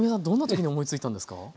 どんな時に思いついたんですか？